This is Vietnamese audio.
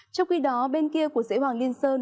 trong khi đó bên kia của dãy hoàng liên sơn